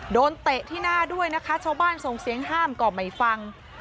เตะที่หน้าด้วยนะคะชาวบ้านส่งเสียงห้ามก็ไม่ฟัง